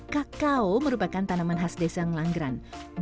kakao merupakan tanaman khas desa ngelanggeran